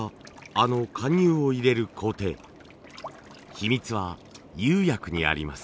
秘密は釉薬にあります。